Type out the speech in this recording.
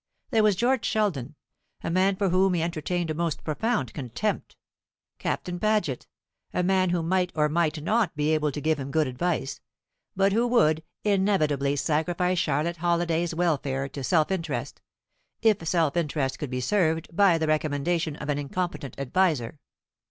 There was George Sheldon, a man for whom he entertained a most profound contempt; Captain Paget, a man who might or might not be able to give him good advice, but who would inevitably sacrifice Charlotte Halliday's welfare to self interest, if self interest could be served by the recommendation of an incompetent adviser.